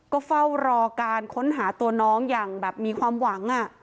ก็เฝ้ารอการค้นหาตัวน้องอย่างแบบมีความหวัง